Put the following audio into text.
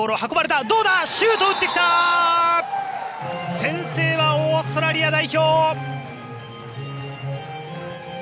先制はオーストラリア代表！